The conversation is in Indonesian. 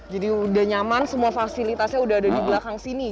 jadi udah nyaman semua fasilitasnya udah ada di belakang sini gitu ya